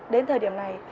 đến thời điểm này